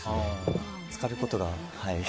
浸かることが。